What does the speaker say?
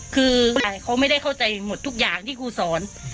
คือฝ่ายเขาไม่ได้เข้าใจหมดทุกอย่างที่ครูสอน